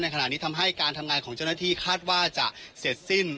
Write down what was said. ขณะนี้ทำให้การทำงานของเจ้าหน้าที่คาดว่าจะเสร็จสิ้น